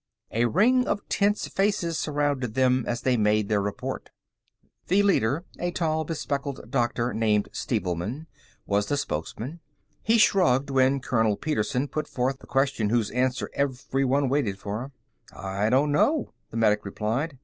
A ring of tense faces surrounded them as they made their report. The leader, a tall, bespectacled doctor named Stevelman, was the spokesman. He shrugged when Colonel Petersen put forth the question whose answer everyone waited for. "I don't know," the medic replied.